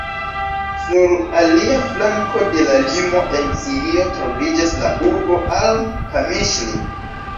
Sur alia flanko de la limo, en Sirio troviĝas la urbo al-Kamiŝli.